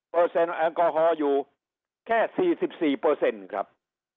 เพอร์เซ็นต์อันโกฮอลอยู่แค่สี่สิบสี่เปอร์เซ็นต์ครับ